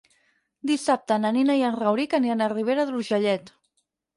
Dissabte na Nina i en Rauric aniran a Ribera d'Urgellet.